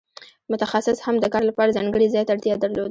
متخصص هم د کار لپاره ځانګړي ځای ته اړتیا درلوده.